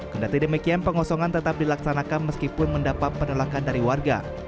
kendati demikian pengosongan tetap dilaksanakan meskipun mendapat penolakan dari warga